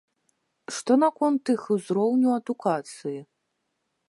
Што наконт іх узроўню адукацыі?